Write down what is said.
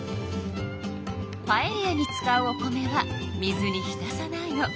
パエリアに使うお米は水に浸さないの。